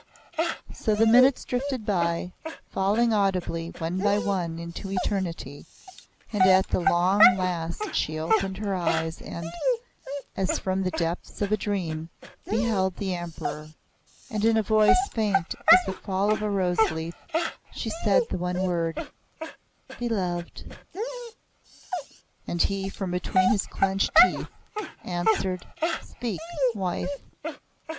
So the minutes drifted by, falling audibly one by one into eternity, and at the long last she slowly opened her eyes and, as from the depths of a dream, beheld the Emperor; and in a voice faint as the fall of a rose leaf she said the one word, "Beloved!" And he from between his clenched teeth, answered, "Speak, wife."